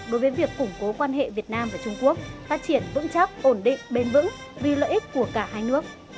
đối với việc củng cố quan hệ việt nam và trung quốc phát triển vững chắc ổn định bền vững vì lợi ích của cả hai nước